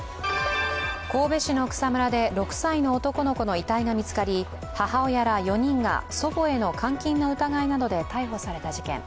神戸市の草むらで６歳の男の子の遺体が見つかり母親ら４人が祖母への監禁の疑いなどで逮捕された事件。